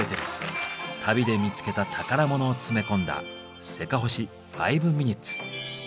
旅で見つけた宝物を詰め込んだ「せかほし５ｍｉｎ．」。